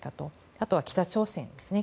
あとは北朝鮮ですね。